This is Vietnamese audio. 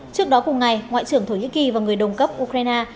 trước đó cùng ngày ngoại trưởng thổ nhĩ kỳ và người đồng cấp ukraine